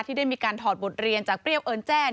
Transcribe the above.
ที่ได้มีการถอดบทเรียนจากเปรี้ยวเอิญแจ้